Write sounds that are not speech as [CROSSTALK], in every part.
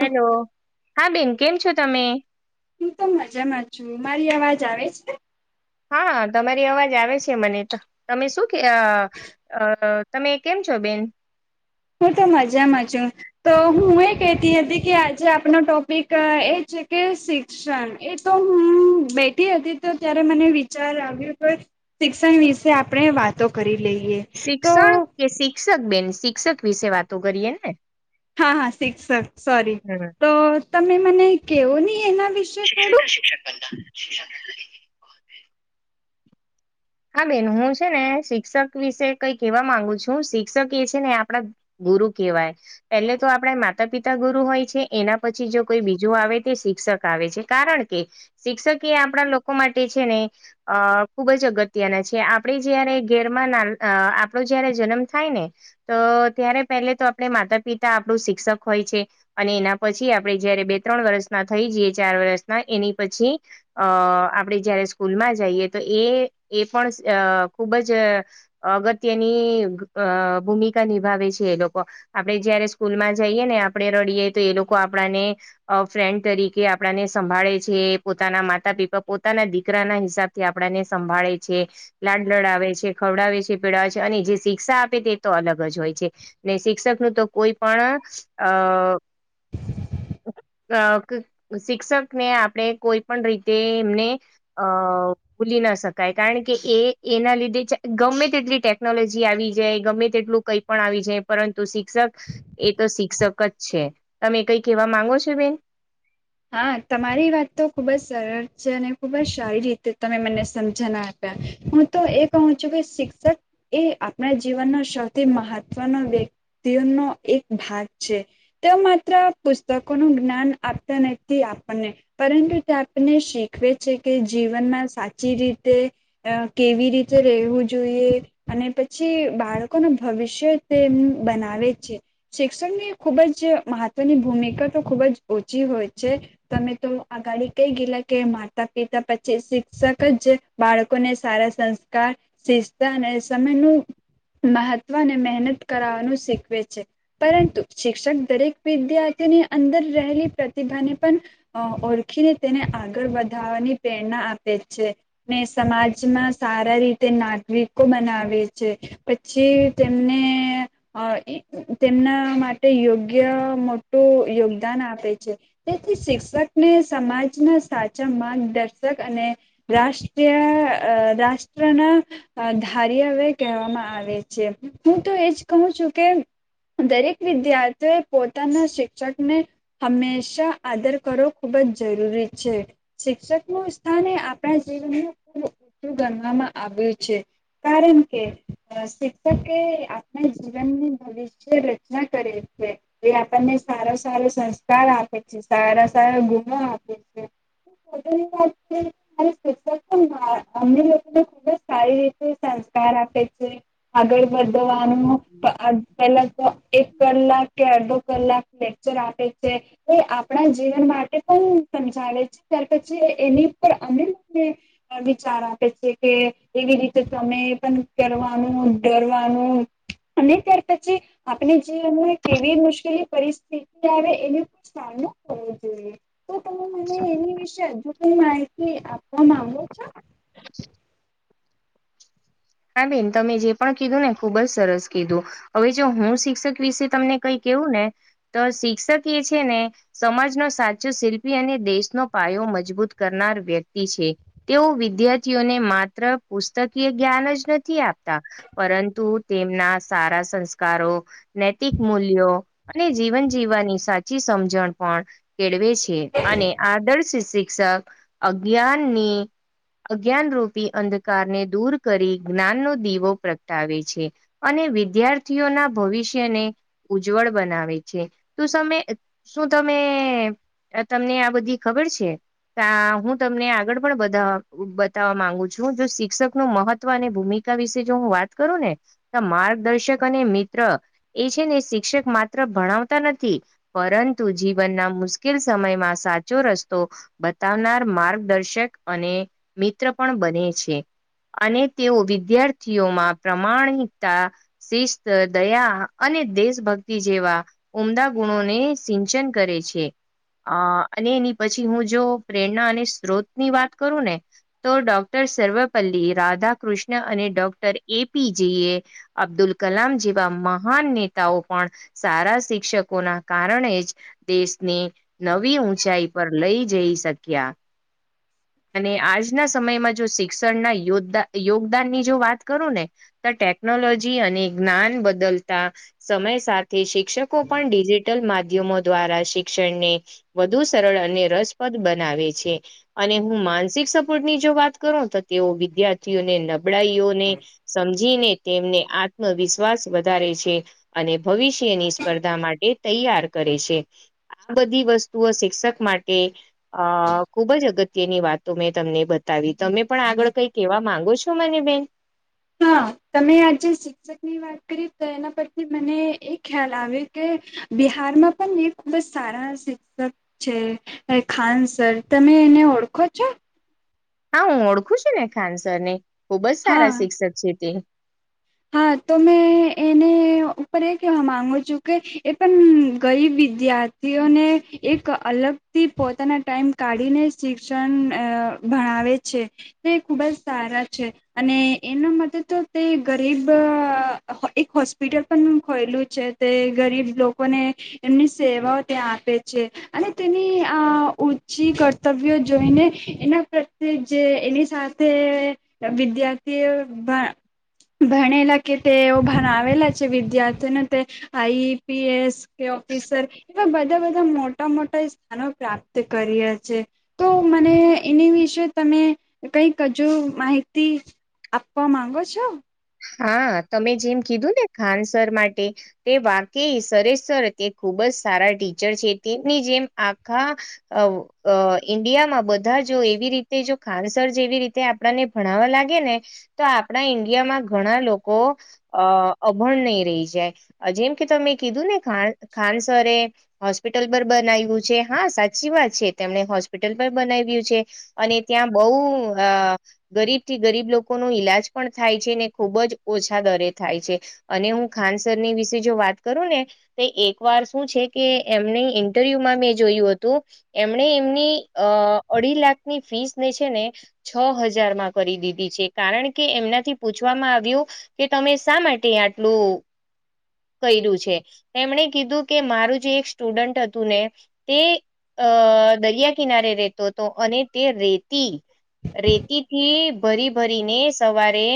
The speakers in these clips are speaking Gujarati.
હેલો. હા બેન, કેમ છો તમે? હું તો મજામાં છું. મારી અવાજ આવે છે? હા, તમારી અવાજ આવે છે મને તો તમે શું કે અહ અહ તમે કેમ છો બેન? હું તો મજામાં છું. તો હું એ કેતી હતી કે આજે આપનો ટોપિક અહ એ છે કે શિક શન એ તો હું બેઠી હતી તો ત્યારે મને વિચાર આવ્યો કે શિક્ષણ વિશે આપડે વાતો કરી લઈએ. તો શિક્ષણ કે શિક્ષક બેન શિક્ષક વિશે વાતો કરીએ ને? હા હા શિક્ષક સોરી હમ. તો તમે મને કેવો નહી એના વિશ શિક્ણ ક શિક્ષણ બંધા [UNINTELLIGIBLE] હા, બેન હું છે ને શિક્ષક વિશે કઈ કેવા માંગુ છું શિક્ષક એ છે ને આપડા ગુરુ કેહેવાય પેલે તો આપડે માતા પિતા ગુરુ હોય છે એના પછી જો કોઈ બીજું આવે તે શિક્ષક આવે છે કારણ કે શિક્ષક એ આપડા લોકો માટે છે ને અહ ખુબ જ અગત્ય ગત્ય ના છે આપણે જયારે ગેરમાં ના ના અહ આપણો જયારે જન્મ થાય ને તો ત્યારે પહેલે તો આપડે માતા પિતા આપડું શિક્ષક હોય છે. અને એના પછી આપડે જયારે બે ત્રણ વર્ષના થઈ જઈએ ચાર વર્ષના એની પછી અહ આપડે જયારે સ્કૂલમાં જઈએ તો એ એ પણ અહ ખુબ જ અગત્યની અહ ભૂમિકા નિભાવે છે એ લોકો. આપડે જયારે સ્કૂલ માં જઈએ ને આપડે રડીએ તો એ લોકો આપડા ને અહ ફ્રેન્ડ તરીકે આપણાને સંભાળે છે પોતાના માતા પિતા પોતાના દીકરાના હિસાબ થી આપડા ને સંભાળે છે લાડ લડ આવેે છે ખવડાવે છે પીડાવે છે અને જે શિક્ષા આપે તે તો અલગ જ હોય છે. ને શિક્ષક નું તો કોઈ પણ અહ અહ ક શિક્ષક ને આપણે કોઈ પણ રીતે એમને અહ ભૂલી ના શકાય. કારણ કે એ એના લીધે ગમે તેટલી ટેકનોલોજી આવી જાય ગમે તેટલું કઈ પણ આવી જાય પરંતુ શિક્ષક એ તો શિક્ષક જ છે તમે કઈ કેવા માંગો છો બેન? હા, તમારી વાત તો ખુબ જ સરળ છે અને ખુબ જ સારી રીતે તમે મને સમજના તા હું તો એ કહું છું કે શિક્ષક એ આપણા જીવનનો સૌથી મહત્વનો વ્યક્તિનો એક ભાગ છે. તે માત્ર પુસ્તકો નું જ્ઞાન આપતા નથી આપણને પરંતુ તે આપણને શીખવે છે કે જીવનમાં સાચી રીતે અ કેવી રીતે રહેવું જોઈએ. અને પછી બાળકો ન ભવિષ્ય તે બનાવે છે. શિક્ષણની ખૂબ જ મહત્વની ભૂમિકા તો ખૂબ જ ઓછી હોય છે. તમે તો અગાડી કઈ ગયલા કે માતા પિતા પછી શિક્ષક જ બાળકોને સારા સંસ્કાર શિસ્ત અને સમયનું મહત્વ અને મહેનત કરાવવાનું શીખવે છે. પરંતુ શિક્ષક દરેક વિદ્યાર્થીઓની અંદર રહેલી પ્રતિભાને પણ અ ઓળખીને તેને આગળ વધાવાની પ્રેરણા આપે છે. ને સમાજમાં સારા રીતે નાગરિકો બનાવે છે. પછી તેમને અ એ તેમના માટે યોગ્ય મોટું યોગદાન આપે. તેથી શિક્ષકને સમાજના સાચા માર્ગદર્શક અને રાષ્ટ્ર ટીય અ રાષ્ટ્રના અ ધાર્યા વે કહેવામાં આવે છે હું તો એજ કહું છું કે દરેક વિદ્યાર્થીઓ એ પોતાના શિક્ષકને હંમેશા આદર કરવો ખૂબ જ જરૂરી છે. શિક્ષક નું સ્થાન એ આપણા જીવનમાં ખૂબ ઊચું ગણવામાં આવ્યું છે. કારણ કે શિક્ષક એ આપના જીવનની ભવિષ્ય રચના કરે. છે, એ આપણને સારો સારો સંસ્કાર આપે છે સારા સારા ગુણો આપે છે. [UNINTELLIGIBLE] અમુક શિક્ષક પણ હા અમને લોકોને ખુબ જ સારી રીતે સંસ્કાર આપે છે. આગળ વધવાનું [UNINTELLIGIBLE] પેલા તો એક કલાક કે અડધો કલાક લે. [UNINTELLIGIBLE] આપે છે એ આપણા જીવન માટે પણ સમજાવે છે. ત્યાર પછી એ એની ઉપર [UNINTELLIGIBLE] અ વિચાર આપે છે કે એવી રીતે તમે પણ કરવાનું ડરવાનું. અને ત્યાર પછી આપણે જીવનમાં કેવી મુશ્કેલી પરિસ્થિતિ આવે. [UNINTELLIGIBLE] સામનો કરવો જોઈએ તો તમે મને એની વિશે હજુ હું માહિતી આપવા માંગુ. હા બેન તમે જે પણ કીધું ને ખુબ જ સરસ કીધું. હવે જો હું શિક્ષક વિશે તમને કઈ કેવું ને તો શિક્ષક એ છે ને. સમાજનો સાચો શિલ્પી અને દેશનો પાયો મજબૂત કરનાર વ્યક્તિ છે. તેઓ વિદ્યાર્થીઓને માત્ર પુસ્તકીય જ્ઞાન જ નથી આપતા. પરંતુ તેમના સારા સંસ્કારો નૈતિક મૂલ્યો અને જીવન જીવવાની સાચી સમજણ પણ કેળવે. છે અને આદર્શ શિક્ષક અજ્ઞાનની અજ્ઞાનરૂપી અંધકારને દૂર કરી જ્ઞાનનો દીવો પ્રગટાવે છે અને વિદ્યાર્થીઓના ભવિષ્યને. ઉજ્જવળ બનાવે છે તો તમે શું તમે તો તમને આ બધી ખબર છે. ત હું તમને આગળ પણ બતાવ બતાવવા માંગુ છું જો શિક્ષક નું મહત અને ભૂમિકા વિશે જો હું વાત કરું ને તો માર્ગદર્શક અને મિત્ર એ છે ને શિક્ષક માત્ર ભણાવતા નથી. પરંતુ જીવનના મુશ્કેલ સમયમાં સાચો રસ્તો બતાવનાર માર્ગદર્શક અને મિત્ર પણ બને છે અને તેઓ વિદ્યાર્થીઓમાં પ્રમાણિકતા શિસ્ત દયા અને દેશભક્તિ જેવા ઉમદા ગુણોને સિંચન કરે છે. અ અને એની પછી હું જો પ્રેરણા અને સ્ત્રોત ની વાત કરું ને તો ડોક્ટર સર્વપલ્લી રાધા કૃષ્ણ અને ડોક્ટર એ પી જી એ અબ્દુલ કલામ જેવા મહાન નેતાઓ પણ સારા શિક્ષકોના કારણે જ દેશને નવી ઊંચાઈ પર લઈ જઈ શક્યા. અને આજના સમયમાં જો શિક્ષણના યોદ્ધા યોગદાન ની જો વાત કરું ને તો ટેકનોલોજી અને જ્ઞાન બદલતા સમય સાથે શિક્ષકો પણ ડિજી ટલ માધ્યમો દ્વારા શિક્ષણને વધુ સરળ અને રસપ્રદ બનાવે છે. અને હું માનસિક સપોર્ટ ની જો વાત કરું તો તેઓ વિદ્યાર્ થી ઓ ને નબળાઈઓને સમજીને તેમને આત્મવિશ્વાસ વધારે છે. અને ભવિષ્યની સ્પર્ધા માટે તૈયાર કરે છે. આ બધી વસ્તુઓ શિક્ષક માટે. અહ ખુબ જ અગત્યની વાત તો મેં તમને બ આવી તમે પણ આગળ કઈ કેવા માંગો છો મને બેન? હા તમે આજે સી શિકષક ની વાત કરીએ તો એના પરથી મને એ ખ્યાલ આવે કે બિહારમાં પણ એ ખુબ જ સારા શિક્ષક છે એ ખાન સર તમે એને ઓળખો છો? હા હું ઓળખું છું ને ખાનસર ને ખુબ જ હા સારા શિક્ષક છે તે. હા તો મેં એને [UNINTELLIGIBLE] ઉપર એ કેવા માંગ છું કે એ પણ ગરીબ વિદ્યાર્થીઓને એક અલગ થી પોતાના ટાઈમ કાઢીને શિક્ષણ અહ ભણાવે છે. તે ખુબ જ સારા છે અને એના માટે તો તે ગરીબ એક હોસ્પિટલ પણ ખોયેલું છે તે ગરીબ લોકોને એમની સેવાઓ ત્યાં આપે છે. અને તેની આ ઉચી કર્તવ્યો જોઈને એના પ્રત્યે જે એની સા થે વિદ્યાર્થીઓ ભા ભણેલા કે તે ઓ ભણાવેલા છે વિદ્યાર્થીઓને તે. આઈ પી એસ કે ઓફિસર એવા બધા બધા મોટા મોટા સ્થાનો પ્રાપ્ત કર્યા છે. તો મને એની વિશે તમે કઈક હજુ માહિતી આપપ્પવા માગો છો? હા તમે જેમ કીધું ને ખાનસર માટે તે વાકે સરે સર તે ખૂબ જ સારા ટીચર છે તેમની જેમ આખા અવ અહ ઇન્ડિયામાં બધા જો એવી રીતે જો ખાનસર જેવી રીતે આપણને ભણાવવા લાગે ને તો આપણા ઈન્ડિયામાં ઘણા લોકો અહ અભણ નહી રહી જાય જેમ કે તમે કીધું ને ખાન ખાનસરે હોસ્પિટલ પર બનાવ્યું છે હા સાચી વાત છે તેમણે હોસ્પિટલ પણ બનાવ્યું છે. અને ત્યાં બહુ અહ ગરીબ થી ગરીબ લોકો નો ઈલાજ પણ થાય છે ને ખુબ જ ઓછા દરે થાય છે અને હું ખાનસરની વિશે જો વાત કરું ને તે એક વાર શું છે કે એમની ઇન્ટરવ્યુમાં મેં જોયું હતું. એમણે એમની અ અડી લાખની ફીસ ને છે ને છ હજારમાં કરી દીધી છે. કારણ કે એમનાથી પૂછ વામા આવ્યું કે તમે શા માટે આટલું કર્યું છે? એમણે કીધું કે મારું જે એક સ્ટુડન્ટ હતું ને તે અ દરિયા કિનારે રેતો હતો. અને તે રેતી રેતીથી ભરી ભરીને સવારે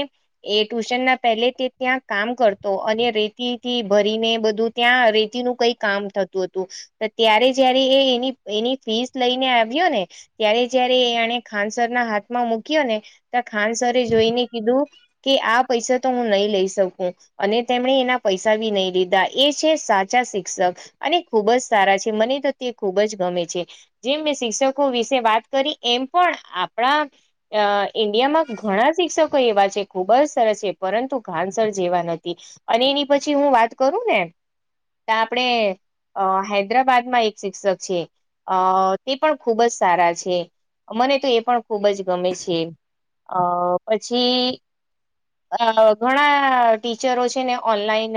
એ ટ્યુશનના પહેલે તે ત્યાં કામ કરતો અને રેતી થી ભરીને બધું ત્યાં રેતીનું કઈ કામ થતું હતું. તે ત્યારે જયારે એ એની એની ફીસ લઈને આવ્યો ને ત્યારે જયારે આણે ખાન સરના હાથમાં મુક્યો ને તા ખાનસરે જોઈને કીધું કે આ પૈસા તો હું નહી લઈ શકું. અને તેમણે એના પૈસા બી નહી લીધા, એ છે સાચા શિક્ષક. અને ખુબ જ સારા છે. મને તો તે ખૂબ જ ગમે છે. જેમ મેં શિક્ષકો વિશે વાત કરી એમ પણ આપણા અ ઇન્ડિયામાં ઘણા શિક્ષકો એવા છે. ખુબ જ સરસ છે. પરંતુ ઘાનસર જેવા નથી. અને એની પછી હું વાત કરું ને તા આપણે અ હૈદરાબાદમાં એક શિક્ષક છે. અ તે પણ ખૂબ જ સારા છે. મને તો એ પણ ખૂબ જ ગમે છે. અ પછી અ ઘણા ટીચરો છે ને ઓનલાઈન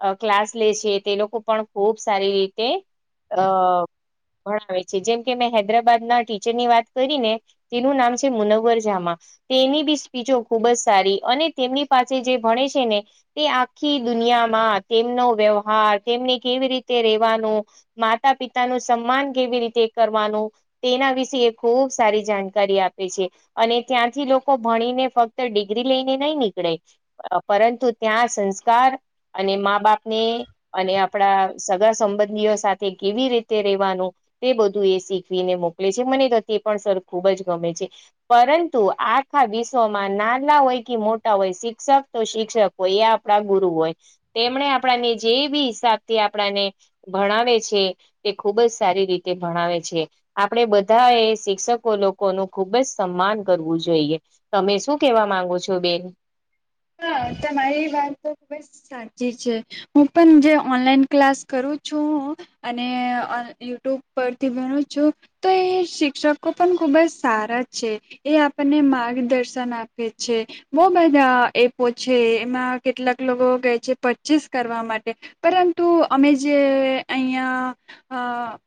અ ક્લાસ લે છે. તે લોકો પણ ખુબ સારી રીતે અ ભણાવે છે. જેમ કે મેં હૈદરાબાદના ટીચરની વાત કરીને તેનું નામ છે મુનવ્વર જામા. તેની બી સ્પીચો ખુબ જ સારી અને તેમની પાસે જે ભણે છે ને તે આખ આખી દુનિયામાં તેમનો વ્યવહાર, તેમને કેવી રીતે રેવાનું માતા પિતાનું સમ્માન કેવી રીતે કરવાનું. તેના વિશે એ ખુબ સારી જાણકારી આપે છે. અને ત્યાંથી લોકો ભણીને ફક્ત ડિગ્રી લઈને નઈ નીકળે. પરંતુ ત્યાં સંસ્કાર અને મા બાપને અને આપણા સગા સંબંધીઓ સાથે કેવી રીતે રેવાનું. તે બધું એ શીખવીને મોકલે છે. મને તો તે પણ સર ખૂબ જ ગમે છે. પરંતુ આખા વિશ્વમાં નાના હોય કે મોટા હોય શિક્ષક તો શિક્ષક હોય એ આપ પણા ગુરુ હોય. તેમણે આપણાને જે બી હિસાબથી આપણાને ભણાવે છે. એ ખુબ જ સારી રીતે ભણાવે છે. આપણેે બધા એ શિક્ષકો લોકોનું ખુબ જ સમ્માન કરવું જોઈએ. તમે શું કેવા માંગો છો બેન? હા તમારી વાત તો ખુબ જ સાચી છે. હું પણ જે ઓનલાઈન ક્લાસ કરું છું. અને યુટ્યુબ પરથી ભણું છું. તો એ શિક્ષકો પણ ખુબ જ સારા છે. એ આપણને માર્ગદર્શન આપે છે. બહુ બધા એ ઓ છે એમાં કેટલાક લોકો કહે છે પરચેસ કરવા માટે. પરંતુ અમે જે અહીંયા અ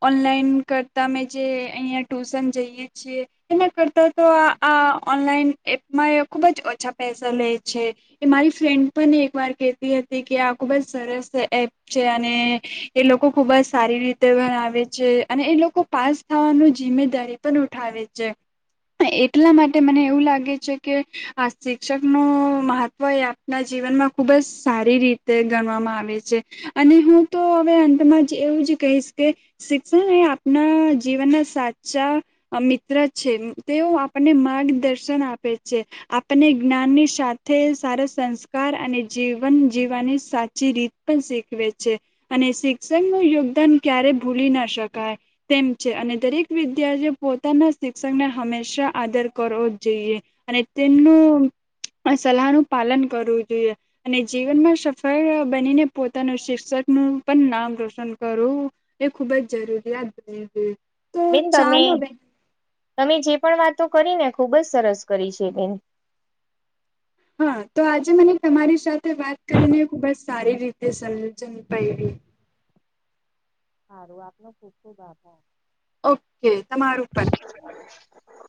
ઓનલાઈન કરતા અમે જે અહીંયા ટ્યુશન જઈએ છીએ. એના કરતા તો આ આ ઓનલાઈન એપમાં એ ખુબ જ ઓછા પૈસા લે. છે. કે મારી ફ્રેન્ડ પણ એક વાર કેહેતી હતી કે આ ખુબજ સરસ એપ છે અને એ લોકો ખુબજ સારી રીતે બનાવે છે અને એ લોકો પાસ થવાનું જિમ્મેદારી પણ ઉઠાવે છે. એટલા માટે મને એવું લાગે છે કે આ શિક્ષકનો મહત્વ એ આપના જીવનમાં ખુબજ સારી રીતે ગણવામાં આવે છે. અને હું તો હવે અંતમાં જ એવું જ કહીશ કે શિક્ષણ એ આપના જીવનના સાચા અહ મિત્ર છે, તેઓ આપણને માર્ગદર્શન આપે છે. આપણને જ્ઞાનની સાથ તે સારા સંસ્કાર અને જીવન જીવવાની સાચી રીત પણ શીખવે છે. અને શિક્ષણ નું યોગદાન ક્યારે ભૂલી ના શકાય. તેમ છે અને દરેક વિદ્યાર્થી પોતાના શિક્ષણને હંમેશા આદર કરવો જ જોઈએ. અને તેમનું આ સલાહ નું પાલન કરવું જોઈએ. અને જીવનમાં સફળ બનીને પોતાનું શિક્ષક નું પણ નામ રોશન કરું. એ ખુબજ જરૂરિયાત બની છે. બેન તમે, તમે જે પણ વાતો કરીને ખુબજ સરસ કરી છે, બેન. હા, તો આજે મને તમારી સાથે વાત કરીને ખુબ જ સારી રીતે સમજન પઇડી. સારું આપનો ખુબ ખુબ આભાર. કે તમારું પણ. હ